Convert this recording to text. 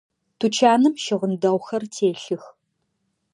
Тучаным щыгъын дэгъухэр телъых.